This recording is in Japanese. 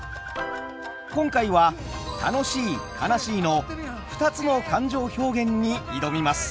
今回は「楽しい」「悲しい」の２つの感情表現に挑みます。